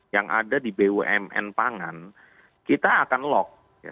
yang ada di bumn pangan kita akan log